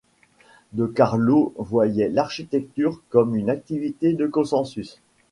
De Carlo voyait l'architecture comme une activité de consensus.